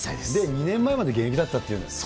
２年前まで現役だったっていうでしょ。